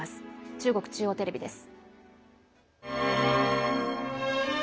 中国中央テレビです。